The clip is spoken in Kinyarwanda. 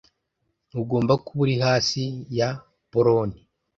ntugomba kuba uri hasi ya poloni